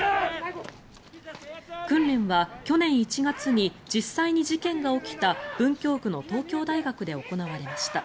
訓練は去年１月に実際に事件が起きた文京区の東京大学で行われました。